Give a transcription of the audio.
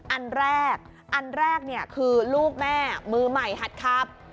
อันแรกอันแรกเนี่ยคือลูกแม่มือใหม่หัดขับ